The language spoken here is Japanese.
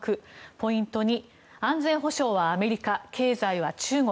ポイント２安全保障はアメリカ経済は中国。